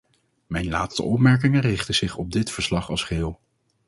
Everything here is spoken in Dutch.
Mijn laatste opmerkingen richten zich op dit verslag als geheel.